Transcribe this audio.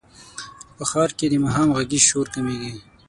په ښار کې د ماښام غږیز شور کمېږي.